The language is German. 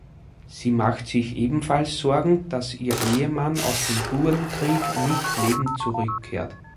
Sie macht sich ebenfalls Sorgen, dass ihr Ehemann aus dem Burenkrieg nicht lebend zurückkehrt.